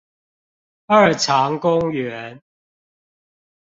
二常公園